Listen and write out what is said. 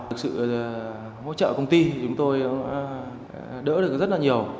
thực sự hỗ trợ công ty chúng tôi đã đỡ được rất là nhiều